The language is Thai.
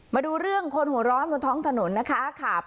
มาดูเรื่องคนหัวร้อนบนท้องถนนนะคะ